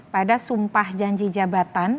pada sumpah janji jabatan